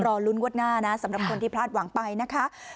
รอลุ้นงวดหน้านะสำหรับคนที่พลาดหวังไปนะคะ